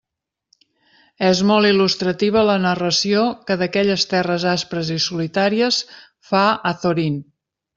És molt il·lustrativa la narració que d'aquelles terres aspres i solitàries fa Azorín.